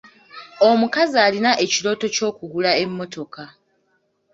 Omukazi alina ekirooto ky'okugula emmotoka.